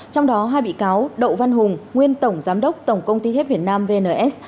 trong đó hai bị cáo đậu văn hùng nguyên tổng giám đốc tổng công ty thép việt nam vns